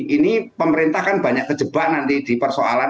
ini pemerintah kan banyak kejebak nanti di persoalan